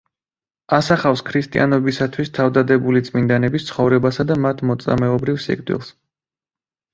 ასახავს ქრისტიანობისათვის თავდადებული წმინდანების ცხოვრებასა და მათ მოწამეობრივ სიკვდილს.